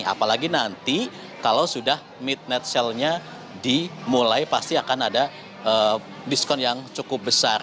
apalagi nanti kalau sudah mid net sale nya dimulai pasti akan ada diskon yang cukup besar